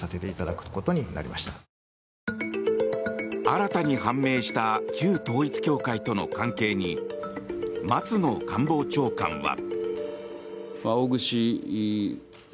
新たに判明した旧統一教会との関係に松野官房長官は。